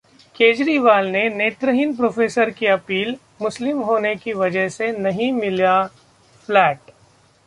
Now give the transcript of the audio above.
केजरीवाल से नेत्रहीन प्रोफेसर की अपील, मुस्लिम होने की वजह से नहीं मिला फ्लैट